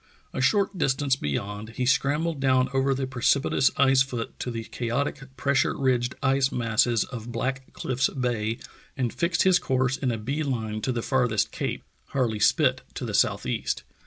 A short distance beyond he scrambled down over the precipitous ice foot to the chaotic, pressure ridged ice masses of Black Cliffs Bay, and fixed his course in a bee line to the farthest cape, Harle} Spit to the southeast.